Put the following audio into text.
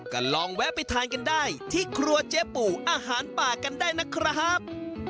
ก็ลองแวะไปทานกันได้ที่ครัวเจ๊ปู่อาหารป่ากันได้นะครับ